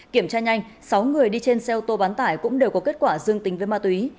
kiểm tra nhanh sáu người đi trên xe ô tô bán tải cũng đều có kết quả dương tính với ma túy